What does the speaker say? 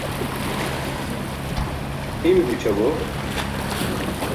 Imi gućʰabo.